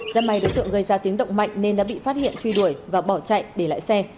rất may đối tượng gây ra tiếng động mạnh nên đã bị phát hiện truy đuổi và bỏ chạy để lại xe